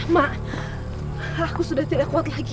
mak aku sudah tidak kuat lagi